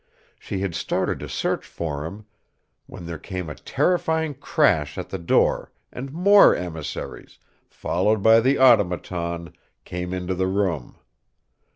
She had started to search for him, when there came a terrifying crash at the door and more emissaries, followed by the Automaton, came into the room.